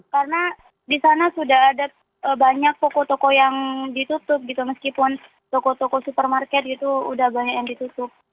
karena di sana sudah ada banyak toko toko yang ditutup gitu meskipun toko toko supermarket itu sudah banyak yang ditutup